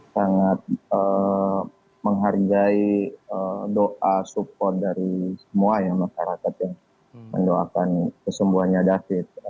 sangat menghargai doa support dari semua ya masyarakat yang mendoakan kesembuhannya david